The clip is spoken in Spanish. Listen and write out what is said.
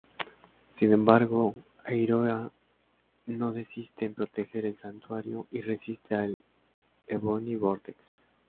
Sin embargo, Aioria no desiste en proteger el Santuario y resiste al "Ebony Vortex".